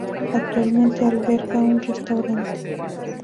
Actualmente alberga un restaurante.